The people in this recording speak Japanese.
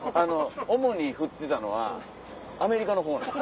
主に振ってたのはアメリカのほう。